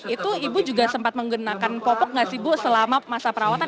itu ibu juga sempat menggunakan popok nggak sih bu selama masa perawatan